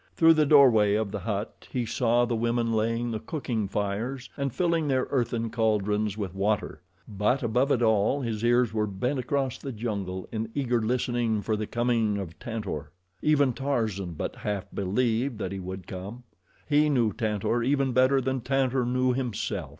Through the doorway of the hut he saw the women laying the cooking fires and filling their earthen caldrons with water; but above it all his ears were bent across the jungle in eager listening for the coming of Tantor. Even Tarzan but half believed that he would come. He knew Tantor even better than Tantor knew himself.